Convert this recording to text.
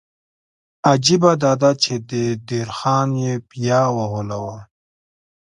عجیبه دا ده چې د دیر خان یې بیا وغولاوه.